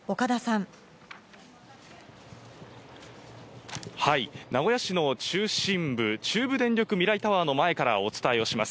はい、名古屋市の中心部、中部電力未来タワーの前からお伝えをします。